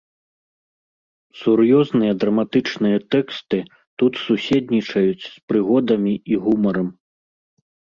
Сур'ёзныя драматычныя тэксты тут суседнічаюць з прыгодамі і гумарам.